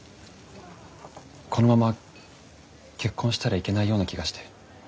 このまま結婚したらいけないような気がして。